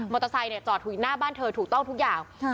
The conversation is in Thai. มอเตอร์ไซต์เนี่ยจอดถึงหน้าบ้านเธอถูกต้องทุกอย่าง